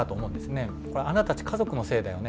あなたたち家族のせいだよね